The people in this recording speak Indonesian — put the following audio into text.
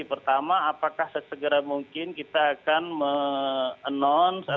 pertama apakah sesegera mungkin kita akan mengiris surat ke jabatan dpr sendiri